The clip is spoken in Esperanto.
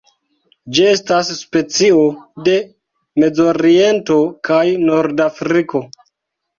Ĝi estas specio de Mezoriento kaj Nordafriko.